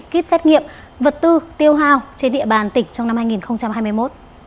kết xét nghiệm vật tư tiêu hào trên địa bàn tỉnh trong năm hai nghìn hai mươi một